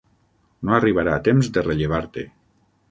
No arribarà a temps de rellevar-te.